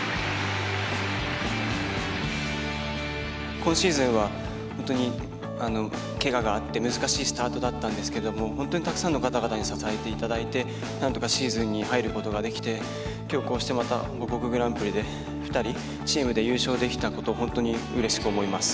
今シーズンは本当にけががあって難しいスタートだったんですけれども本当にたくさんの方々に支えていただいてなんとかシーズンに入ることができて今日こうしてまた母国グランプリで２人チームで優勝できたこと本当にうれしく思います。